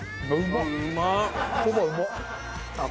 うまっ！